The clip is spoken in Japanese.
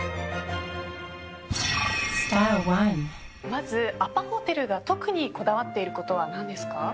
まずアパホテルが特にこだわっていることは何ですか？